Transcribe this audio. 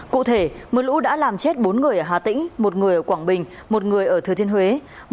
cụ thể mưa lũ đã làm chết bốn người ở hà tĩnh một người ở quảng bình một người ở thừa thiên huế